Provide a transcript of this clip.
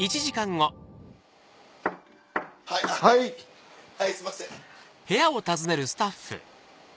・はい・・はい・・はいすいません・